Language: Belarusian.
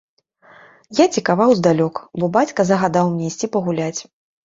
Я цікаваў здалёк, бо бацька загадаў мне ісці пагуляць.